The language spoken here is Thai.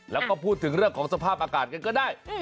แล้วก็พูดถึงเรื่องของสภาพอากาศกันก็ได้